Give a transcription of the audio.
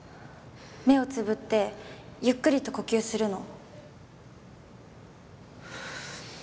目をつぶってゆっくりと呼吸するの。